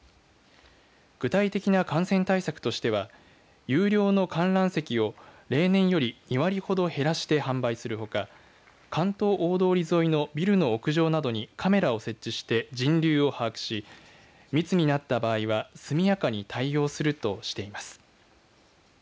具体的な感染対策としては有料の観覧席を例年より２割ほど減らして販売するほか竿燈大通り沿いのビルの屋上などにカメラを設置して人流を把握し密になった場合は速やかに対応するとしています。